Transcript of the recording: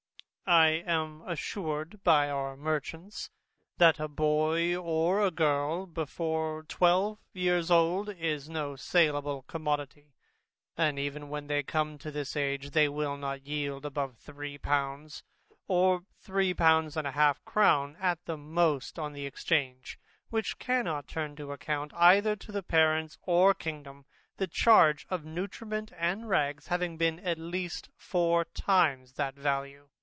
I am assured by our merchants, that a boy or a girl, before twelve years old, is no saleable commodity, and even when they come to this age, they will not yield above three pounds, or three pounds and half a crown at most, on the exchange; which cannot turn to account either to the parents or kingdom, the charge of nutriments and rags having been at least four times that value.